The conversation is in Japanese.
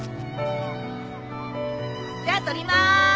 じゃ撮ります。